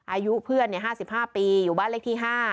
อายุเพื่อน๕๕ปีอยู่บ้านเลขที่๕